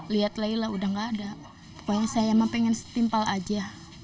lihat layla udah gak ada pokoknya saya emang pengen setimpal aja